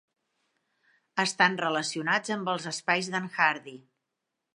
Estan relacionats amb els espais de"n Hardy.